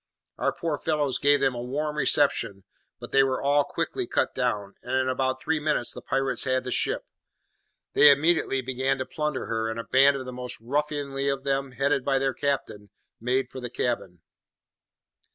Our poor fellows gave them a warm reception; but they were all quickly cut down, and in about three minutes the pirates had the ship. They immediately began to plunder her, and a band of the most ruffianly of them, headed by their captain, made for the cabin.